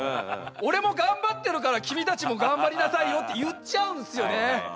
「俺も頑張ってるから君たちも頑張りなさいよ」って言っちゃうんですよね。